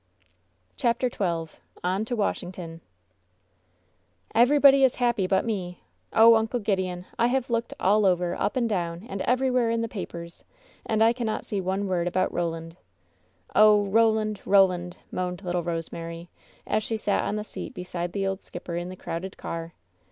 CHAPTER Xn OlSr TO WASHINGTON "EvBEYBODY is happy but me ! Oh, Uncle Gideon, I have looked all over, up and down, and everywhere in the papers, and I cannot see one word about Roland I Oh, Roland! Roland 1" moaned little Rosemary, as she sat on the seat beside the old skipper in the crowded car.